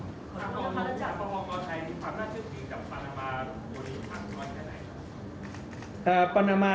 คุณผู้ชมปปกไทยมีความน่าเชื่อมีกับปปตัวนี้ค่อนข้างกันไหน